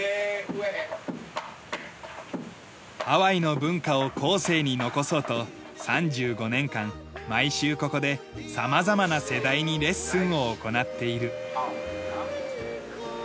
ハワイの文化を後世に残そうと３５年間毎週ここで様々な世代にレッスンを行っている。